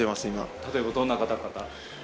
例えばどんな方から？